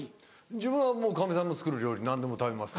自分はもうカミさんの作る料理何でも食べますから。